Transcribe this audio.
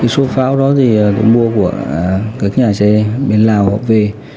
số pháo đó thì được mua của các nhà xe bên lào về